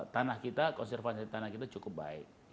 tanah kita konservasi tanah kita cukup baik